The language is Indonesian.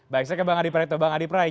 baik sekali bang adi pra itu